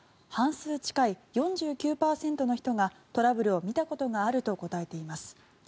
半数近い４９％の人がトラブルを見たことがあると答えています。